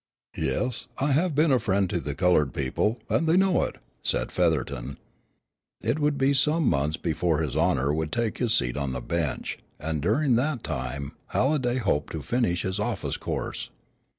"Yes, I have been a friend to the colored people, and they know it," said Featherton. It would be some months before His Honor would take his seat on the bench, and during that time, Halliday hoped to finish his office course.